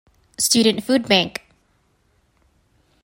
Student Food Bank.